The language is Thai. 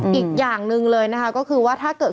อีกอย่างหนึ่งเลยนะคะก็คือว่าถ้าเกิด